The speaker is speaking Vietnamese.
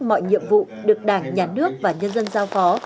mọi nhiệm vụ được đảng nhà nước và nhân dân giao phó